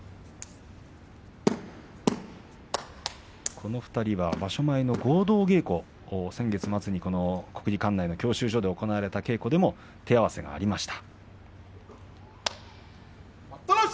この２人は場所前の合同稽古先月末に国技館の教習所で行われた稽古場も手合わせがありました。